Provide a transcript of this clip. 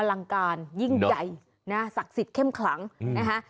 ลังการยิ่งใหญ่นะศักดิ์สิทธิ์เข้มขลังนะคะ